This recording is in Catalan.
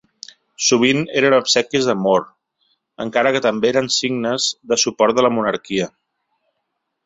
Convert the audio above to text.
Sovint eren obsequis d’amor, encara que també eren signes de suport a la monarquia.